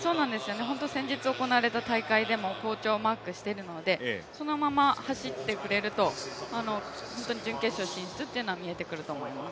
本当に先日行われた大会でも好調をマークしているのでそのまま走ってくれると、本当に準決勝進出は見えてくると思います。